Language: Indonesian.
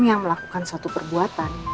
yang melakukan suatu perbuatan